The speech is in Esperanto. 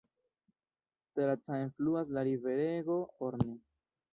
Tra Caen fluas la riverego Orne.